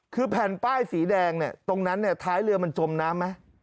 คือแผ่นป้ายสีแดงเนี่ยตรงนั้นเนี่ยท้ายเรือมันจมน้ำไหม